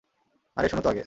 আরে শুনো তো আগে।